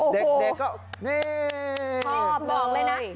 ได้ใจนักเรียนเลยแบบนี้